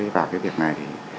vào việc này